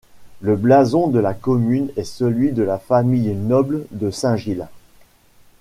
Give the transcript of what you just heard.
Le blason de la commune est celui de la famille noble de Saint-Gilles.